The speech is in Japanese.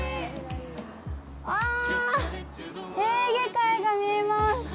あぁ、エーゲ海が見えます！